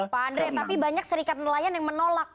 tapi banyak serikat nelayan yang menolak